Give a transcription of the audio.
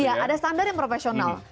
iya ada standar yang profesional